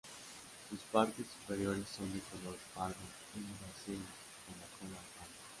Sus partes superiores son de color pardo oliváceo con la cola parda.